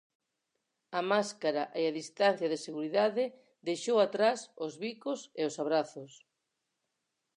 A máscara e a distancia de seguridade deixou atrás os bicos e os abrazos.